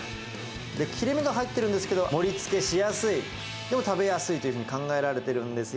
切れ目が入っているんですけれども、盛りつけしやすい、でも食べやすいというふうに考えられてるんですよ。